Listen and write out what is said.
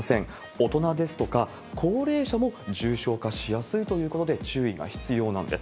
大人ですとか高齢者も重症化しやすいということで、注意が必要なんです。